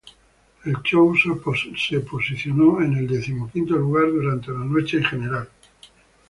El show se posicionó en el decimoquinto lugar durante la noche en general.